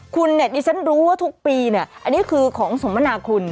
คุณเนี่ยดิฉันรู้ว่าทุกปีเนี่ยอันนี้คือของสมนาคุณ